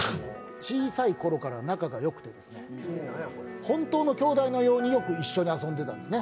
小さい頃から仲がよくて本当の兄弟のようによく一緒に遊んでいたんですね。